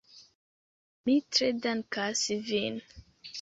Mi tre dankas vin.